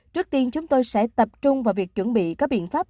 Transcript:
trước tiên chúng tôi sẽ tập trung vào việc chuẩn bị các biện pháp